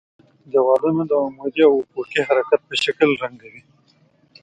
دېوالونه د عمودي او افقي حرکت په شکل رنګوي.